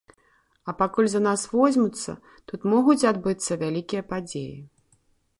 А пакуль за нас возьмуцца, тут могуць адбыцца вялікія падзеі.